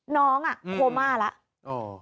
น้องโคม่าแล้ว